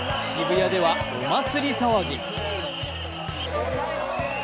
渋谷ではお祭り騒ぎ。